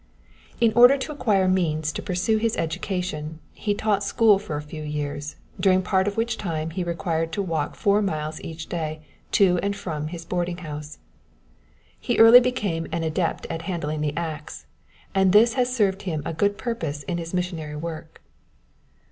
In order to acquire means to pursue his education he taught school for a few years, during part of which time he required to walk four miles each day to and from his boarding house. He early became an adept at handling the axe, and this has served him a good purpose in his missionary work.